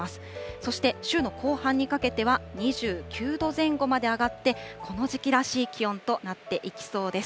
そして週の後半にかけては２９度前後まで上がって、この時期らしい気温となっていきそうです。